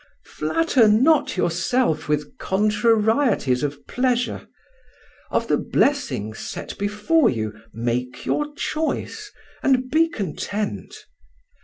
Flatter not yourself with contrarieties of pleasure. Of the blessings set before you make your choice, and be content.